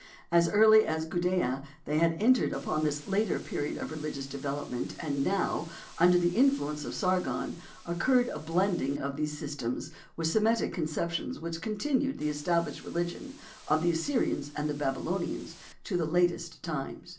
As early as Gudea they had entered upon this later period of religious development, and now, under the influence of Sargon occurred a blending of these systems with Semitic conceptions which continued the established religion of the Assyrians and Babylonians to the latest times.